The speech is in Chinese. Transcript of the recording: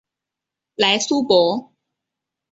莱苏博。